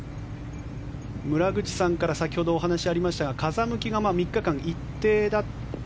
村口さんから先ほどお話がありましたが風向きが３日間、一定。